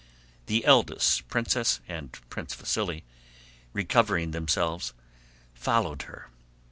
The eldest princess and Prince Vasíli, recovering themselves, followed her.